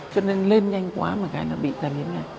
cho nên lên nhanh quá mà cái nó bị tai biến này